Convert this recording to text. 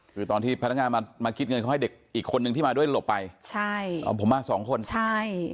คือตอนที่พนักงานมามาคิดเงินเขาให้เด็กอีกคนนึงที่มาด้วยหลบไปใช่อ๋อผมมาสองคนใช่